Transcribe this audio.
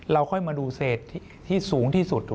ค่อยมาดูเศษที่สูงที่สุด